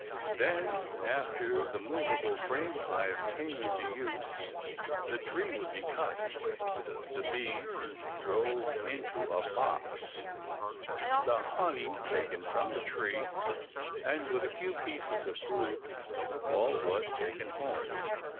Then, after the movable frame hive came into use the tree would be cut, the bees drove into a box, the honey taken from the tree and with a few pieces of brood all was taken home.